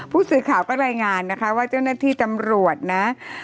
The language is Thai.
ผู้สื่อข่าวก็รายงานนะคะว่าเจ้าหน้าที่ตำรวจนะ